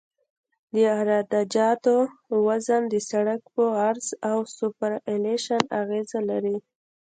د عراده جاتو وزن د سرک په عرض او سوپرایلیویشن اغیزه لري